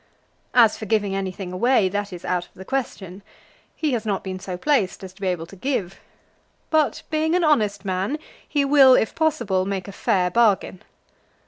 As for giving anything away, that is out of the question. He has not been so placed as to be able to give. But, being an honest man, he will, if possible, make a fair bargain.